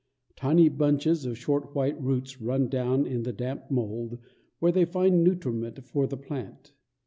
Tiny bunches of short white roots run down in the damp mould, where they find nutriment for the plant.